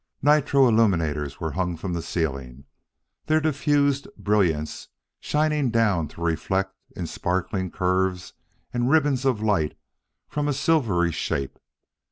Nitro illuminators were hung from the ceiling, their diffused brilliance shining down to reflect in sparkling curves and ribbons of light from a silvery shape.